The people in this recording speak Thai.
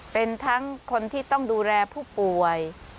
เป็นทั้งคนที่ต้องดูแลผู้ป่วย